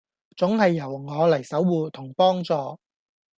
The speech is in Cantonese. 總係由我嚟守護同幫助